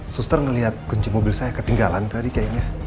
suster ngelihat kunci mobil saya ketinggalan tadi kayaknya